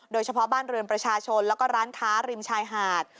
โดยเฉพาะบ้านเรือนประชาชนแล้วก็ร้านค้าริมชายหาด